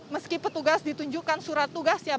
meski petugas ditunjukkan surat tugas ya bahkan